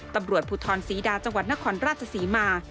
ตำรวจผุดทรอนสีดาจังหวัดนครราชสีมา